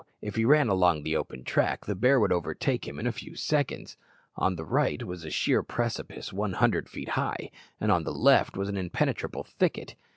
If he ran along the open track, the bear would overtake him in a few seconds. On the right was a sheer precipice one hundred feet high; on the left was an impenetrable thicket.